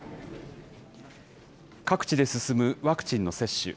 各地で進むワクチンの接種。